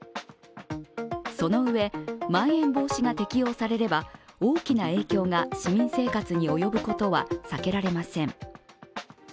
そのうえ、まん延防止が適用されれば大きな影響が市民生活に及ぶことは避けられません。